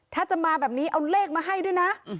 ถ้าจะมาแบบนี้เอาเลขมาให้ด้วยนะ